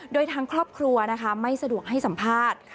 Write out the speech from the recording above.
โดยทางครอบครัวนะคะไม่สะดวกให้สัมภาษณ์